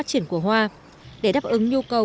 phát triển của hoa để đáp ứng nhu cầu